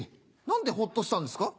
何でホッとしたんですか？